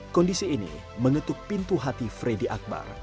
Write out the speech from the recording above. kondisi ini mengetuk pintu hati freddy akbar